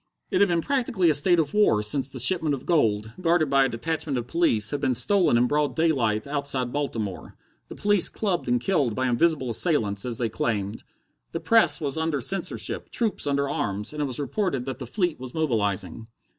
It had been practically a state of war since the shipment of gold, guarded by a detachment of police, had been stolen in broad daylight outside Baltimore, the police clubbed and killed by invisible assailants as they claimed. The press was under censorship, troops under arms, and it was reported that the fleet was mobilizing.